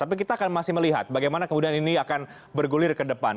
tapi kita akan masih melihat bagaimana kemudian ini akan bergulir ke depan